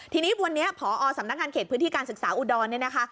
ทีนี้วันนี้พอสำนักงานเขตพื้นที่การศึกษาอุดรเนี่ยนะคะ